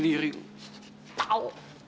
tuh tuh tuh